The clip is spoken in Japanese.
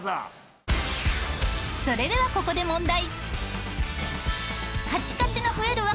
それではここで問題。